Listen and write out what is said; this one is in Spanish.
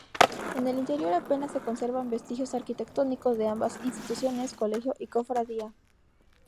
En el interior apenas se conservan vestigios arquitectónicos de ambas instituciones, colegio y cofradía.